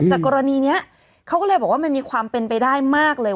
กรณีนี้เขาก็เลยบอกว่ามันมีความเป็นไปได้มากเลย